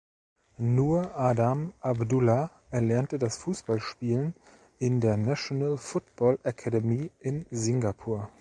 Nur Adam Abdullah erlernte das Fußballspielen in der National Football Academy in Singapur.